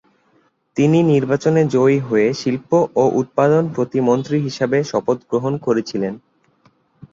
তিনি নির্বাচনে জয়ী হয়ে শিল্প ও উৎপাদন প্রতিমন্ত্রী হিসাবে শপথ গ্রহণ করেছিলেন।